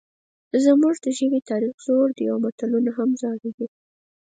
زموږ د ژبې تاریخ زوړ دی او متلونه هم زاړه دي